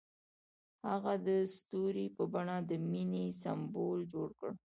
هغه د ستوري په بڼه د مینې سمبول جوړ کړ.